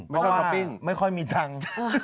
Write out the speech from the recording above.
เพราะว่าไม่ค่อยมีทัก